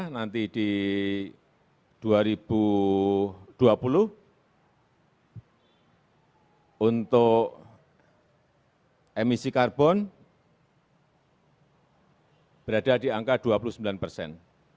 nanti di dua ribu dua puluh untuk emisi karbon berada di angka dua puluh sembilan persen